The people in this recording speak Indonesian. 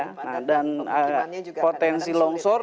nah dan potensi longsor